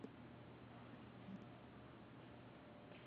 mauaji hayo yaliyotendeka mwaka elfu moja mia tisa tisini na tano